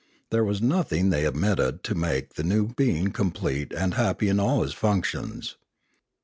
There was nothing they omitted to make the new being complete and happy in all his functions.